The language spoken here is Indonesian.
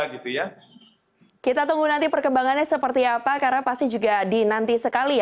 kita tunggu nanti perkembangannya seperti apa karena pasti juga dinanti sekali